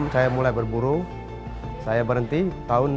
dua ribu enam saya mulai berburu saya berhenti tahun dua ribu dua puluh satu